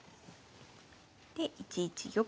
で１一玉。